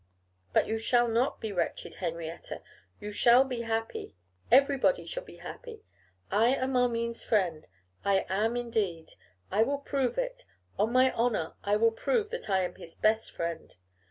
'But you shall not be wretched, Henrietta; you shall be happy; everybody shall be happy. I am Armine's friend, I am indeed. I will prove it. On my honour, I will prove that I am his best friend.